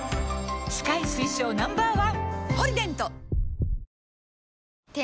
歯科医推奨 Ｎｏ．１！